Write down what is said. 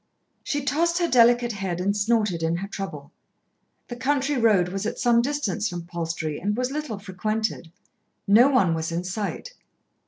She tossed her delicate head and snorted in her trouble. The country road was at some distance from Palstrey, and was little frequented. No one was in sight.